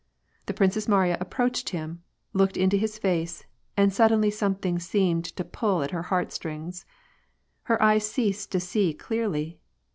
The Princess Mariya approached him, looked into his face, and suddenly something seemed to pull at her heartstrings. Her eyes ceased to see clearly.